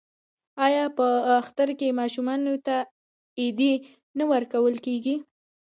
آیا په اختر کې ماشومانو ته ایډي نه ورکول کیږي؟